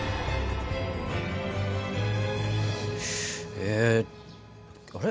えあれ？